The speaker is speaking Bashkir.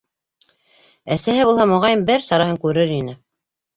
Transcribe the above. Әсәһе булһа, моғайын, бер сараһын күрер ине.